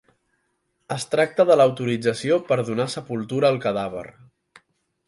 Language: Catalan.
Es tracta de l'autorització per donar sepultura al cadàver.